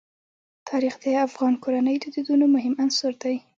تاریخ د افغان کورنیو د دودونو مهم عنصر دی.